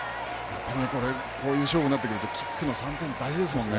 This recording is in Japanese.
こういう勝負になってくるとキックの３点は大事ですもんね。